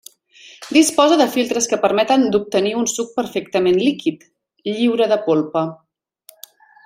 Disposa de filtres que permeten d'obtenir un suc perfectament líquid, lliure de polpa.